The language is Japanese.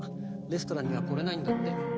レストランには来れないんだって。